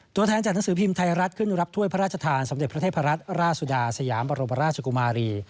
ตัวแทนจากหนังสือพิมพ์ไทยรัฐขึ้นรับถ้วยพระราชทานสมเด็จพระเทพรัตนราชสุดาสยามบรมราชกุมารี